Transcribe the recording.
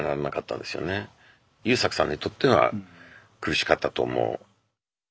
優作さんにとっては苦しかったと思う。